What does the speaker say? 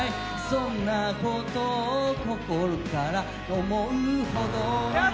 「そんなことを心から」「思うほどに」